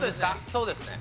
そうですね。